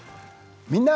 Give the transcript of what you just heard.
「みんな！